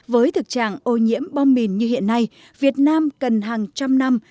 với thực trạng ô nhiễm bom mìn như hiện nay việt nam cần hàng trăm năm